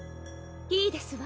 いいですわ。